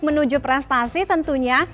menuju prestasi tentunya